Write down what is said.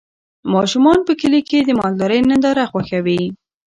ماشومان په کلي کې د مالدارۍ ننداره خوښوي.